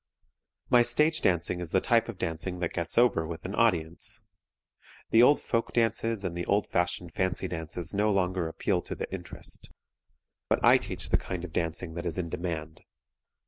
My stage dancing is the type of dancing that gets over with an audience. The old folk dances and the old fashioned fancy dances no longer appeal to the interest. But I teach the kind of dancing that is in demand.